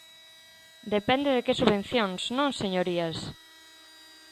Depende de que subvencións, ¿non, señorías?